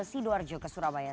sidoarjo ke surabaya